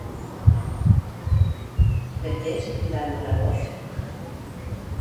Per qué se cridaue Gravroche?